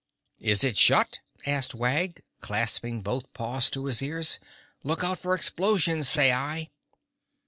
"Is it shut?" asked Wag, clapping both paws to his ears. "Look out for explosions, say I."